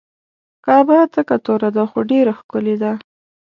کعبه تکه توره ده خو ډیره ښکلې ده.